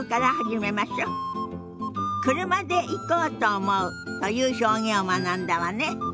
「車で行こうと思う」という表現を学んだわね。